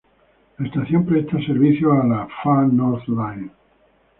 La estación presta servicios a la Far North Line.